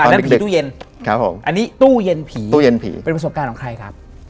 นั้นผีตู้เย็นครับผมอันนี้ตู้เย็นผีตู้เย็นผีเป็นประสบการณ์ของใครครับ